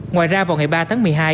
ngoài ra vào ngày ba tháng một mươi hai